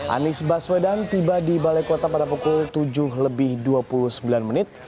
anies baswedan tiba di balai kota pada pukul tujuh lebih dua puluh sembilan menit